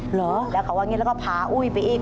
เหรอแล้วเขาว่าอย่างนี้แล้วก็พาอุ้ยไปอีก